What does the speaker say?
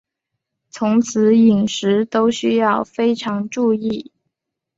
从此饮食都需要非常注意